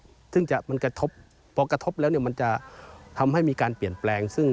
จึงจะมันกระทบพอกระทบแล้วมันจะทำให้มีการเปลี่ยนแปลง